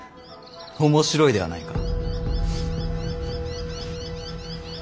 面白いではないか。